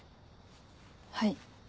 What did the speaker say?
はい。